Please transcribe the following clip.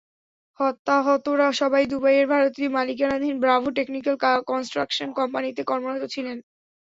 হতাহতরা সবাই দুবাইয়ে ভারতীয় মালিকানাধীন ব্রাভো টেকনিক্যাল কন্সট্রাকশন কোম্পানিতে কর্মরত ছিলেন।